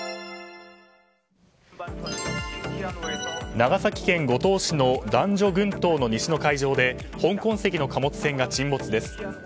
長崎県五島市の男女群島の西の海上で香港籍の貨物船が沈没です。